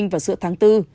vào giữa tháng bốn